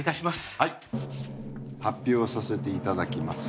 はい発表させていただきます。